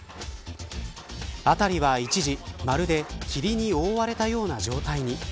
辺りは一時まるで霧に覆われたような状態に。